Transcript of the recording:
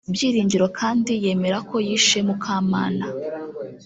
Byiringiro kandi yemera ko yishe Mukamana